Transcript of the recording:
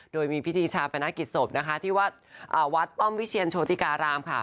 โดยมีพี่ดีชาแผนนาฬิกสภที่วัดวัดป้อมวิเชียร์โชติการามค่ะ